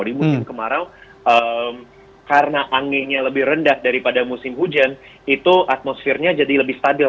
di musim kemarau karena anginnya lebih rendah daripada musim hujan itu atmosfernya jadi lebih stabil